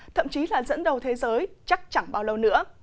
thậm chí là dẫn đầu thế giới chắc chẳng bao lâu nữa